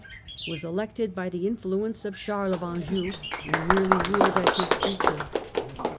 was elected by the influence 1280 85 ' of Charles of Anjou, and merely ruled as his creature.